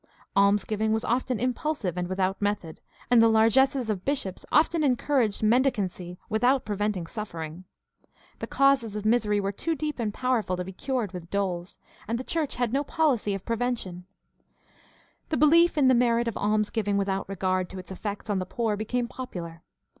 Alms giving was often impulsive and without method, and the largesses of bishops often encouraged mendicancy without preventing suffering. The causes of misery were too deep and powerful to be cured with doles, and the church had no policy 698 GUIDE TO STUDY OF CHRISTIAN RELIGION of prevention. The belief in the merit of almsgiving without regard to its effects on the poor became popular.